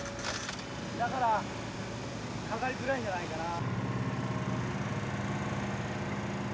だからかかりづらいんじゃないかな。